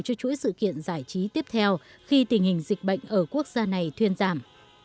cho chuỗi sự kiện giải trí tiếp theo khi tình hình dịch bệnh ở quốc gia này thuyên giảm